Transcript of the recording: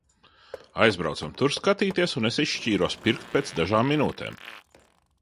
Aizbraucam tur skatīties un es izšķīros pirkt pēc dažām minūtēm.